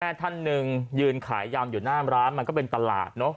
ท่านหนึ่งยืนขายยำอยู่หน้าร้านมันก็เป็นตลาดเนอะ